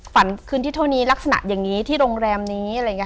คืนที่เท่านี้ลักษณะอย่างนี้ที่โรงแรมนี้อะไรอย่างนี้